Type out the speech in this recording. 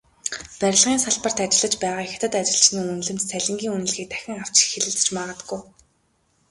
Барилгын салбарт ажиллаж байгаа хятад ажилчны үнэлэмж, цалингийн үнэлгээг дахин авч хэлэлцэж магадгүй.